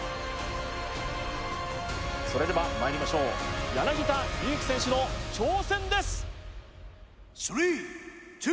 それではまいりましょう柳田悠岐選手の挑戦です！